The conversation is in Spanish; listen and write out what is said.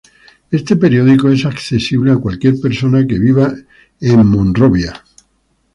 Este periódico es accesible a cualquier persona que viva en Monrovia.